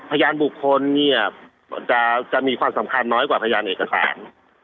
พยานบุคคลเนี่ยจะมีความสำคัญน้อยกว่าพยานเอกสาร